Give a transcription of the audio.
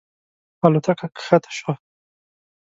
الوتکه کښته شوه.